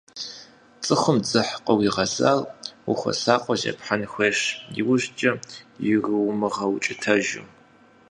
Цӏыхум дзыхь къыуигъэзар, ухуэсакъыу зепхьэн хуейщ, иужькӏэ ирумыгъэукӏытэжу.